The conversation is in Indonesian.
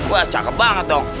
wah cakep banget dong